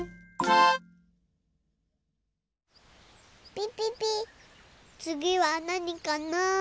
ピピピつぎはなにかな。